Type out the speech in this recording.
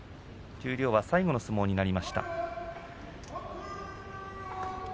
十両は最後の相撲になりました。